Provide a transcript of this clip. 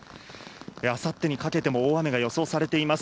あさってにかけても大雨が予想されています。